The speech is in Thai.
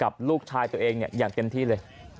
ลูกชายตัวเองอย่างเต็มที่เลย